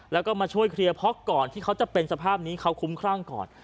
แล้วก็มาช่วยเคลียร์เพราะก่อนที่เขาจะเป็นสภาพนี้เขาคุ้มครั่งก่อน